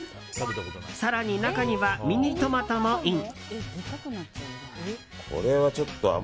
更に、中にはミニトマトもイン。